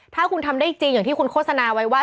ถ้าคุณทำได้จริงอย่างที่คุณโฆษณาไว้ว่า